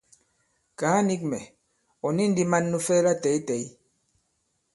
Kàa nīk mɛ̀: ɔ̀ ni ndī man nu fɛ latɛ̂ytɛ̌y?